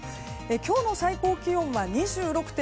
今日の最高気温は２６．６度。